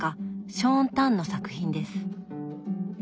ショーン・タンの作品です。